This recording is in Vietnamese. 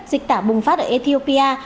dịch tả bùng phát ở ethiopia